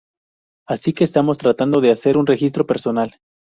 Así que estamos tratando de hacer un registro personal.